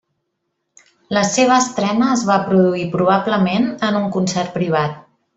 La seva estrena es va produir probablement en un concert privat.